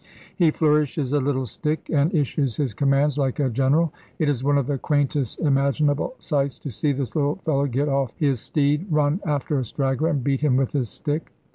He flourishes a little stick, and issues his commands like a general. It is one of the quaintest imaginable sights to see this little fellow get off his steed, run after a straggler, and beat him with his stick.